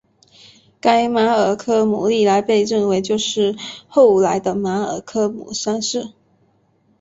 该马尔科姆历来被认为就是后来的马尔科姆三世。